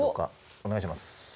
お願いします。